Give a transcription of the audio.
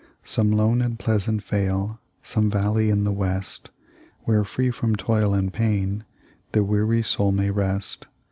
Some lone and pleasant vale Some valley in the West, Where, free from toil and pain, The weary soul may rest?